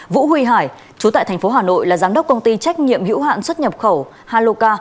vũ huy hải chú tại thành phố hà nội là giám đốc công ty trách nhiệm hữu hạn xuất nhập khẩu haloka